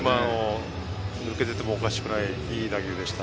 抜けていてもおかしくない、いい打球でした。